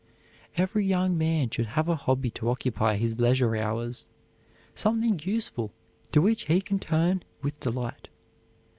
Every young man should have a hobby to occupy his leisure hours, something useful to which he can turn with delight.